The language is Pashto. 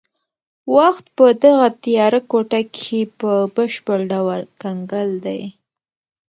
وخت په دغه تیاره کوټه کې په بشپړ ډول کنګل دی.